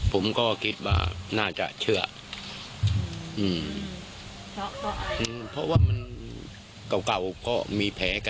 ผมก็คิดว่าน่าจะเชื่อ